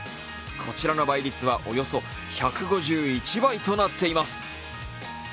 こちらの倍率はおよそ１５１倍となっています。